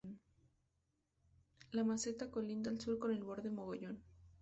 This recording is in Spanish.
La meseta colinda al sur con el Borde Mogollón.